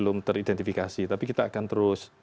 belum teridentifikasi tapi kita akan terus